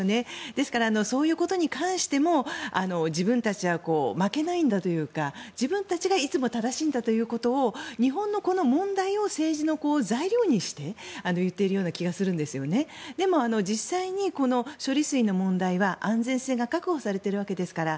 ですからそういうことに関しても自分たちは負けないんだというか自分たちがいつも正しいんだということを日本のこの問題を政治の材料にして言っているような気がするんですでも実際に処理水の問題は安全性が確保されているわけですから。